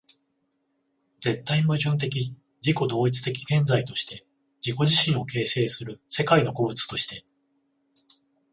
絶対矛盾的自己同一的現在として自己自身を形成する世界の個物として、